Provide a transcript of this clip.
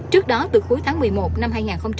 trước đó từ cuối tháng một mươi một năm hai nghìn hai mươi